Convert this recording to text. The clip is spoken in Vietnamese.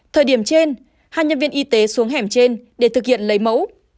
thời điểm trên hai nhân viên y tế xuống hẻm trên để thực hiện lấy mẫu